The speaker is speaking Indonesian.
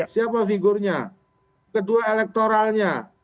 siapa figurnya kedua elektoralnya